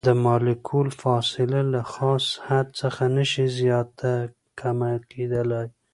د مالیکول فاصله له خاص حد څخه نشي زیاته کمه کیدلی.